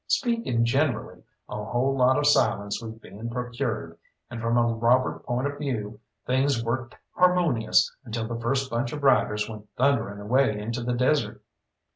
Speaking generally, a whole lot of silence was being procured, and from a robber point of view things worked harmonious until the first bunch of riders went thundering away into the desert.